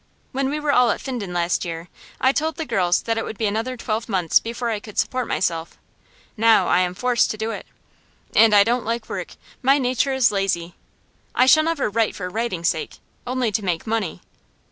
When we were all at Finden last year, I told the girls that it would be another twelve months before I could support myself. Now I am forced to do it. And I don't like work; my nature is lazy. I shall never write for writing's sake, only to make money.